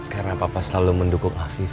karena papa selalu mendukung afif